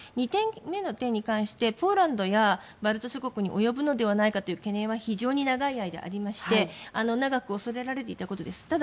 ２点目にポーランドやバルト諸国に及ぶかもしれないという懸念は非常に長い間ありまして長く恐れられていたことです。